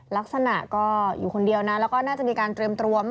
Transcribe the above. ลักษณะก็อยู่คนเดียวนะแล้วก็น่าจะมีการเตรียมตัว